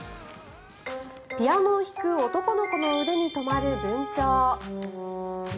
ピアノを弾く男の子の腕に止まるブンチョウ。